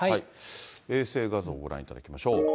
衛星画像、ご覧いただきましょう。